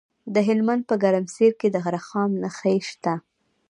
د هلمند په ګرمسیر کې د رخام نښې شته.